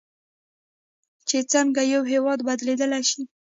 چې څنګه یو هیواد بدلیدلی شي.